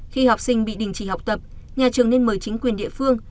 khi học sinh bị đình chỉ học tập nhà trường nên mời chính quyền địa phương